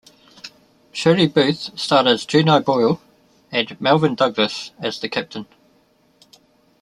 Shirley Booth starred as Juno Boyle and Melvyn Douglas as the Captain.